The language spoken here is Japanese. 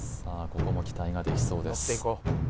ここも期待ができそうです